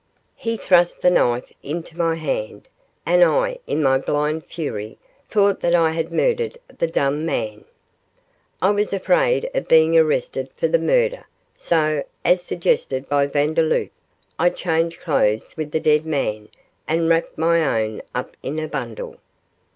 He thrust the knife into my hand, and I, in my blind fury, thought that I had murdered the dumb man. I was afraid of being arrested for the murder, so, as suggested by Vandeloup, I changed clothes with the dead man and wrapped my own up in a bundle.